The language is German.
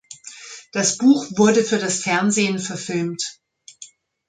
Das Buch wurde für das Fernsehen verfilmt.